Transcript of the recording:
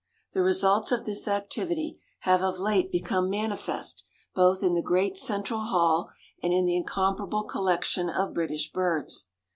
The results of this activity have of late become manifest, both in the great Central Hall, and in the incomparable collection of British birds.